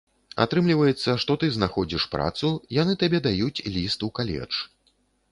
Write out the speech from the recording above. Атрымліваецца, што ты знаходзіш працу, яны табе даюць ліст у каледж.